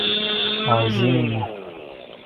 آذین